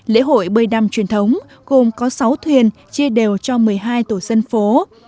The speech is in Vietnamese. lễ hội bơi đam truyền thống gồm có sáu thuyền chia đều cho một mươi hai tổ dân phố